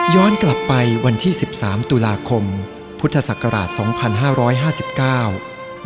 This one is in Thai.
ย้อนกลับไปวันที่๑๓ตุลาคมพุทธศักราช๒๕๕๙